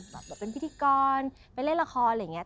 แบบเป็นพิธีกรไปเล่นละครอะไรอย่างนี้